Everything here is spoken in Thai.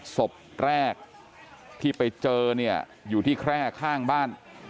ศพแรกที่ไปเจอเนี่ยอยู่ที่แคร่ข้างบ้าน